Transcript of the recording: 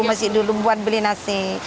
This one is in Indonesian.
masih dulu buat beli nasi